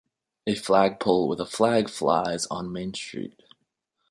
A flag pole with a flag flies on main street.